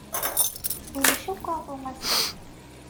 Ulac akk aḍu ass-a.